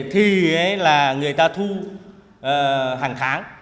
thì người ta thu hàng tháng